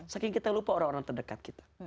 saking kita lupa orang orang terdekat kita